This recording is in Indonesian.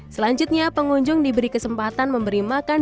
selanjutnya pengunjung diberi kesempatan memberi makan